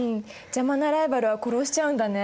邪魔なライバルは殺しちゃうんだね。